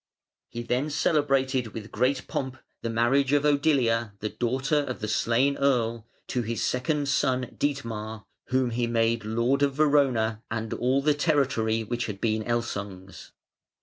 He then celebrated with great pomp the marriage of Odilia, the daughter of the slain earl, to his second son Dietmar, whom he made lord of Verona and all the territory which had been Elsung's.